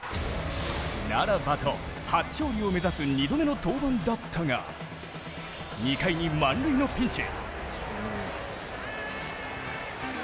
ならばと、初勝利を目指す２度目の登板だったが２回に満塁のピンチ。